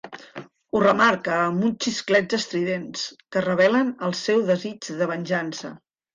Ho remarca amb uns xisclets estridents que revelen el seu desig de venjança.